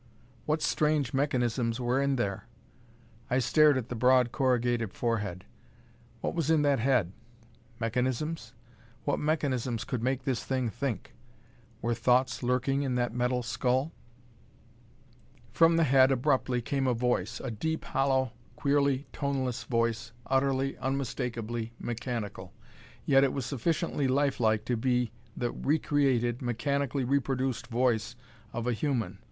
What strange mechanisms were in there? I stared at the broad, corrugated forehead. What was in that head? Mechanisms? What mechanisms could make this thing think? Were thoughts lurking in that metal skull? From the head abruptly came a voice a deep, hollow, queerly toneless voice, utterly, unmistakably mechanical. Yet it was sufficiently life like to be the recreated, mechanically reproduced voice of a human.